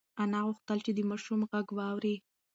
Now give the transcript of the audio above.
انا غوښتل چې د ماشوم غږ واوري.